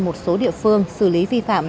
một số địa phương xử lý vi phạm